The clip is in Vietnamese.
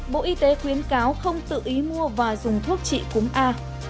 bộ y tế khuyến cáo không tự ý mua và dùng thuốc trị cúng a